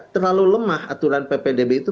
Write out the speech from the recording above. terlalu lemah aturan ppdb itu